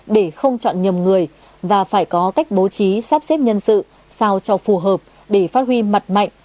để không chọn nhầm người và phải có cách bố trí sắp xếp nhân sự sao cho phù hợp để phát huy mặt mạnh